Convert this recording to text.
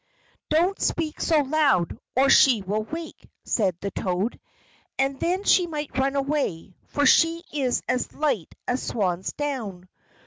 "Don't speak so loud, or she will wake," said the toad, "and then she might run away, for she is as light as swan's down.